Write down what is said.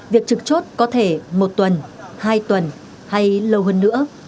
việc trực chốt có thể một tuần hai tuần hay lâu hơn nữa